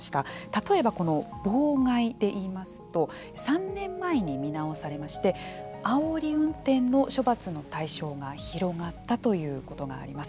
例えばこの「妨害」でいいますと３年前に見直されましてあおり運転の処罰の対象が広がったということがあります。